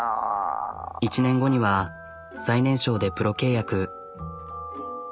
１年後には最年少でプロ契約。